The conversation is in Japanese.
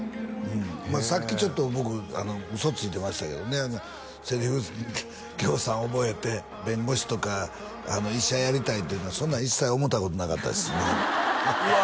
さっきちょっと僕嘘ついてましたけどねセリフぎょうさん覚えて弁護士とか医者やりたいっていうのはそんなん一切思ったことなかったですすんませんうわ